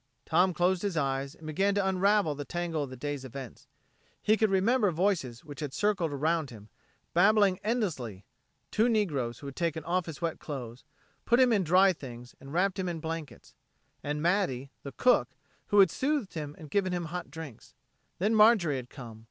Tom closed his eyes and began to unravel the tangle of the day's events. He could remember voices which had circled around him, babbling endlessly; two negroes who had taken off his wet clothes, put him in dry things and wrapped him in blankets; and Matty, the cook, who had soothed him and given him hot drinks. Then Marjorie had come.